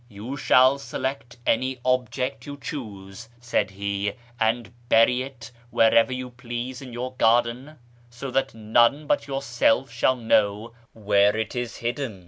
" You shall select any object you choose," said he, " and bury it wherever you please in your garden, so that none but yourself shall know where it is hidden.